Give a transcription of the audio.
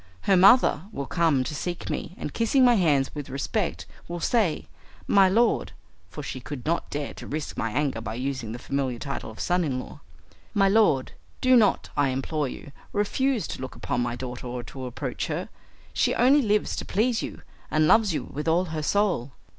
Her mother will come to seek me, and, kissing my hands with respect, will say, "My lord" (for she could not dare to risk my anger by using the familiar title of "son in law"), "My lord, do not, I implore you, refuse to look upon my daughter or to approach her. She only lives to please you, and loves you with all her soul."